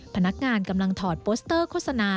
พนักงานกำลังถอดโปสเตอร์โฆษณา